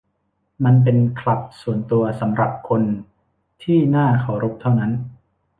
มันเป็นคลับส่วนตัวสำหรับคนที่น่าเคารพเท่านั้น